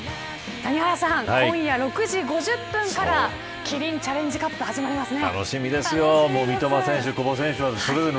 谷原さん、今夜６時５０分からキリンチャレンジカップ始まりますね。